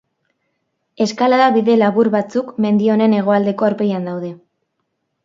Eskalada bide labur batzuk, mendi honen hegoaldeko aurpegian daude.